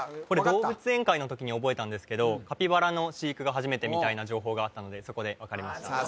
これ動物園回の時に覚えたんですけどカピバラの飼育が初めてみたいな情報があったのでそこで分かりました